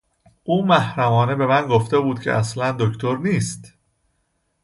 او محرمانه به من گفته بود که اصلا دکتر نیست.